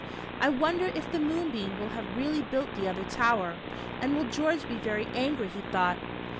" I wonder if the moonbeam will have really built the other tower, and will George be very angry?" he thought.